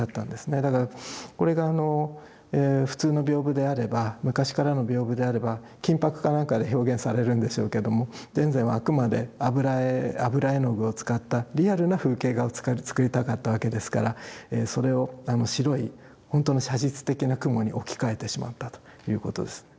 だからこれがあの普通の屏風であれば昔からの屏風であれば金箔か何かで表現されるんでしょうけども田善はあくまで油絵の具を使ったリアルな風景画を作りたかったわけですからそれを白い本当の写実的な雲に置き換えてしまったということです。